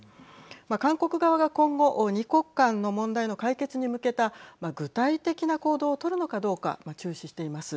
韓国側が今後二国間の問題の解決に向けた具体的な行動をとるのかどうか注視しています。